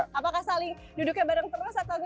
hubungannya karena kan satu kabinet nih